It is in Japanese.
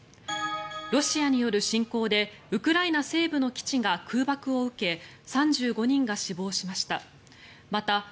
ロシアによる侵攻でウクライナ西部の基地が空爆を受け３５人が死亡しました。